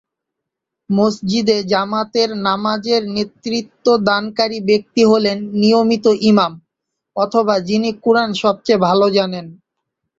মসজিদে জামাতের নামাজের নেতৃত্বদানকারী ব্যক্তি হলেন নিয়মিত ইমাম, অথবা যিনি কুরআন সবচেয়ে ভালো জানেন।